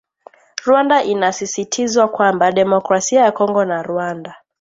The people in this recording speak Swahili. Rwanda inasisitizwa kwamba Demokrasia ya Kongo na Rwanda